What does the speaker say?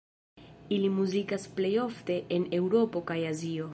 Ili muzikas plej ofte en Eŭropo kaj Azio.